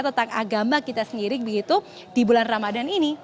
tentang agama kita sendiri begitu di bulan ramadan ini